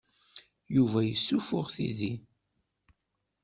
Yuba yessuffuɣ tidi.